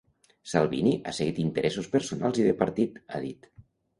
Salvini ha seguit interessos personals i de partit, ha dit.